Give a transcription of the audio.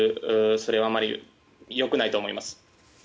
それはあまり良くないと思います。